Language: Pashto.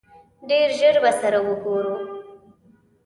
ډېر ژر به سره ګورو!